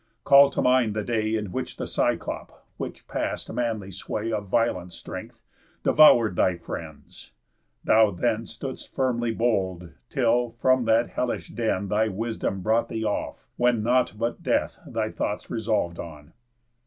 Call to mind the day In which the Cyclop, which pass'd manly sway Of violent strength, devour'd thy friends; thou then Stood'st firmly bold, till from that hellish den Thy wisdom brought thee off, when nought but death Thy thoughts resolv'd on."